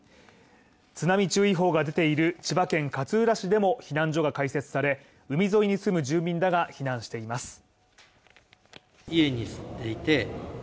津波注意報が出ている千葉県勝浦市でも避難所が開設され、海沿いに住む住民らが避難しています。